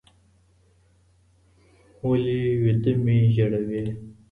ولي ويـده مي ژړوې